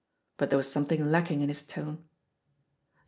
But there was something lacking in his tone.